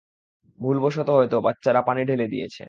ভুলবশত হয়তো বাচ্চারা পানি ঢেলে দিয়েছে।